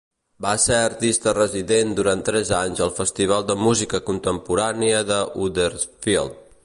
Va ser artista resident durant tres anys al Festival de Música contemporània de Huddersfield.